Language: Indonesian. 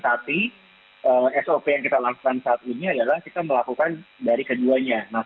tapi sop yang kita lakukan saat ini adalah kita melakukan dari keduanya